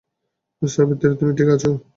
সাবিত্রী, তুমি ঠিক আছো।